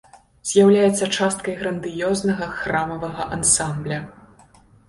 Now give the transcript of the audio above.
З'яўляецца часткай грандыёзнага храмавага ансамбля.